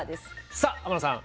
さあ天野さん